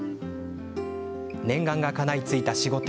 念願がかない就いた仕事。